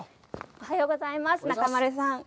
おはようございます、中丸さん。